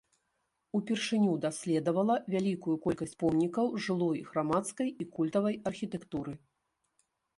Упершыню даследавала вялікую колькасць помнікаў жылой, грамадскай і культавай архітэктуры.